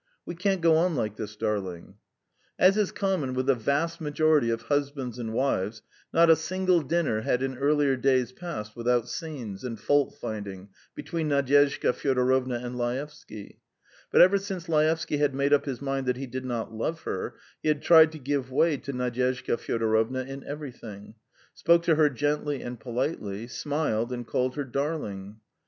We can't go on like this, darling." As is common with the vast majority of husbands and wives, not a single dinner had in earlier days passed without scenes and fault finding between Nadyezhda Fyodorovna and Laevsky; but ever since Laevsky had made up his mind that he did not love her, he had tried to give way to Nadyezhda Fyodorovna in everything, spoke to her gently and politely, smiled, and called her "darling."